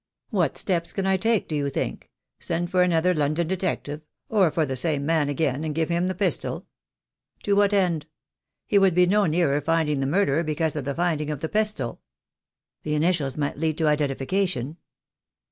"What steps can I take, do you think? Send for an other London detective — or for the same man again — and give him the pistol? To what end? He would be no nearer finding the murderer because of the finding of the pistol." "The initials might lead to identification."